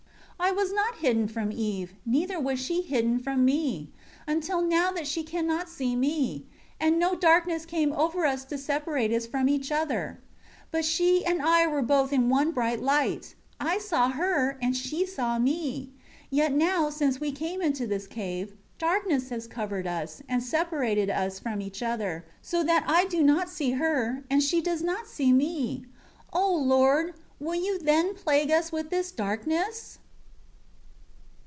I was not hidden from Eve, neither was she hidden from me, until now that she cannot see me; and no darkness came over us to separate us from each other. 10 But she and I were both in one bright light. I saw her and she saw me. Yet now since we came into this cave, darkness has covered us, and separated us from each other, so that I do not see her, and she does not see me. 11 O Lord, will You then plague us with this darkness?"